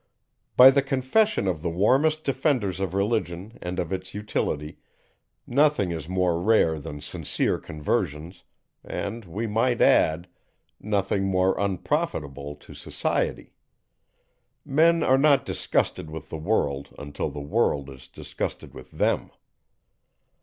By the confession of the warmest defenders of Religion and of its utility, nothing is more rare than sincere conversions, and, we might add, nothing more unprofitable to society. Men are not disgusted with the world, until the world is disgusted with them.